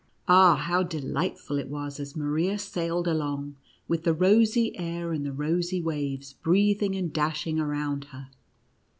Ah, how delightful it was as Maria sailed along, with the rosy air and the rosy waves breathing and dashing around her